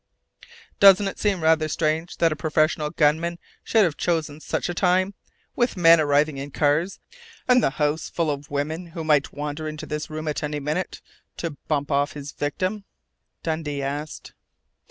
"Doesn't it seem rather strange that a professional gunman should have chosen such a time with men arriving in cars, and the house full of women who might wander into this room at any minute to bump off his victim?" Dundee asked.